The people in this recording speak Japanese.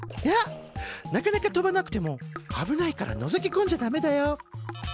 なかなか飛ばなくても危ないからのぞきこんじゃダメだよ。